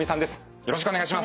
よろしくお願いします。